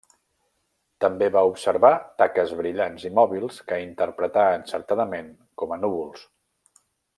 També va observar taques brillants i mòbils que interpretà encertadament com a núvols.